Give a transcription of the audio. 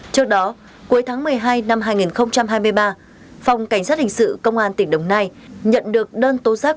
trước đó cuối tháng một mươi hai năm hai nghìn hai mươi ba phòng cảnh sát hình sự công an tỉnh đồng nai nhận được đơn tố giác